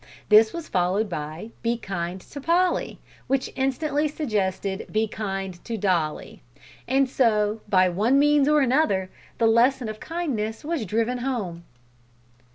This was followed by "Be kind to Polly," which instantly suggested "Be kind to Dolly." And so, by one means or another, the lesson of kindness was driven home.